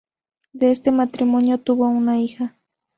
De este matrimonio tuvo una hija.